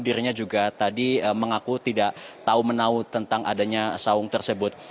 dirinya juga tadi mengaku tidak tahu menau tentang adanya saung tersebut